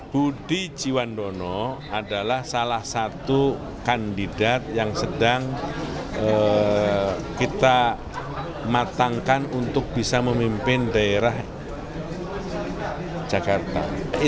budi jiwandono adalah salah satu kandidat yang sedang kita matangkan untuk bisa memimpin daerah jakarta